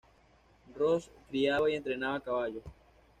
Rose criaba y entrenaba caballos.